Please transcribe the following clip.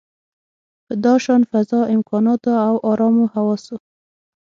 په داشان فضا، امکاناتو او ارامو حواسو.